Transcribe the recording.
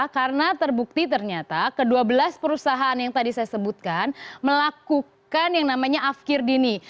karena terbukti ternyata ke dua belas perusahaan yang tadi saya sebutkan melakukan yang namanya afkir dini